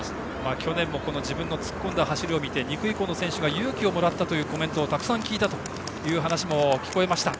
去年も自分の突っ込んだ走りを見て２区以降の選手が勇気をもらったというコメントをたくさん聞いたという話も聞こえました。